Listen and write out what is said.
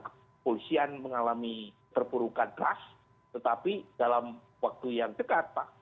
kepolisian mengalami terpurukan trust tetapi dalam waktu yang dekat pak